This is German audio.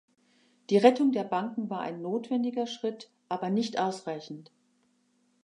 Die Rettung der Banken war ein notwendiger Schritt, aber nicht ausreichend.